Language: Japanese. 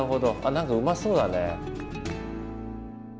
何かうまそうだね。